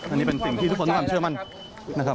อันนี้เป็นสิ่งที่ทุกคนต้องความเชื่อมั่นนะครับ